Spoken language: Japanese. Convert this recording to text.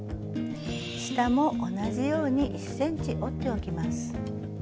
下も同じように１ｃｍ折っておきます。